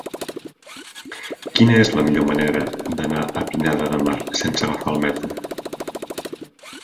Quina és la millor manera d'anar a Pineda de Mar sense agafar el metro?